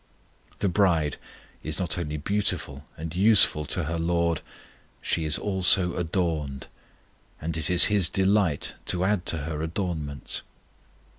The bride is not only beautiful and useful to her LORD, she is also adorned, and it is His delight to add to her adornments.